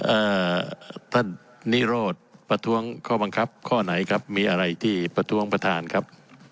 เอ่อท่านนิโรธประท้วงข้อบังคับข้อไหนครับมีอะไรที่ประท้วงประธานครับ